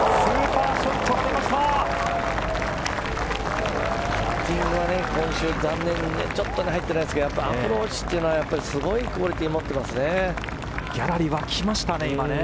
パッティングは今週残念でちょっと入ってないんですけどアプローチというのはすごいクオリティーギャラリー沸きましたね。